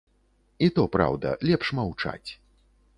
І то праўда, лепш маўчаць.